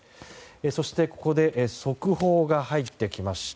そしてここで、速報が入ってきました。